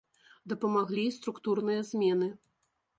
Дапамаглі і структурныя змены.